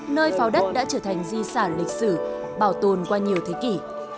nơi pháo đất đã trở thành di sản lịch sử bảo tồn qua nhiều thế kỷ